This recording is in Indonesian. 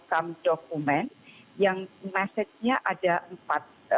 yang namanya outcome document yang message nya ada empat